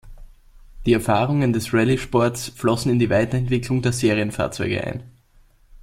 Die Erfahrungen des Rallye-Sports flossen in die Weiterentwicklung der Serienfahrzeuge ein.